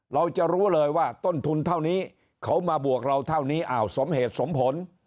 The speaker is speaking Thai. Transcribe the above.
เราจะรู้เลยว่าต้นทุนเท่านี้เขามาบวกเราเท่านี้อ้าวสมเหตุสมผล